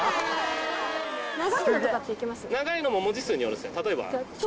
長いのも文字数によるっすね例えば？